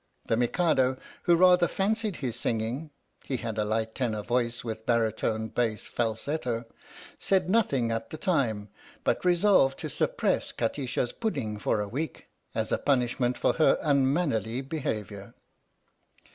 The Mikado, who rather fancied his singing (he had a light tenor voice with baritone bass falsetto), said nothing at the time, but resolved to suppress Kati sha's pudding for a week as a pun ishment for her unmannerly behaviour.